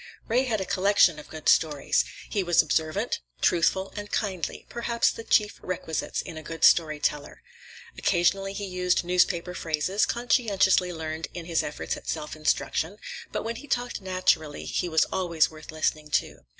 Ray had a collection of good stories. He was observant, truthful, and kindly—perhaps the chief requisites in a good story teller. Occasionally he used newspaper phrases, conscientiously learned in his efforts at self instruction, but when he talked naturally he was always worth listening to.